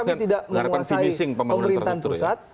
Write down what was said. karena kami tidak menguasai pemerintahan pusat